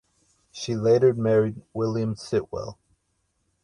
She later married William Sitwell.